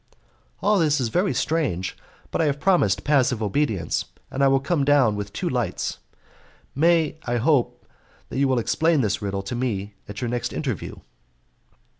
"All this is very strange, but I have promised passive obedience, and I will come down with two lights. May I hope that you will explain this riddle to me at your next interview?"